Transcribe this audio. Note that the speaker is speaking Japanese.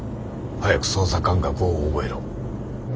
早く操作感覚を覚えろ。